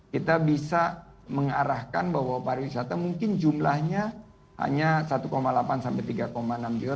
kita bisa mengarahkan bahwa pariwisata mungkin jumlahnya hanya satu delapan sampai tiga enam juta